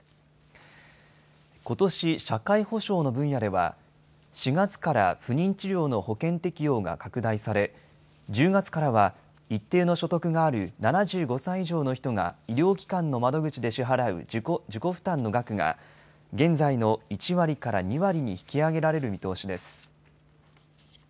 ことし、社会保障の分野では、４月から不妊治療の保険適用が拡大され、１０月からは一定の所得がある７５歳以上の人が、医療機関の窓口で支払う自己負担の額が、現在の１割から２割に引き上げられる見通しです。